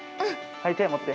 ◆はい、手を持って！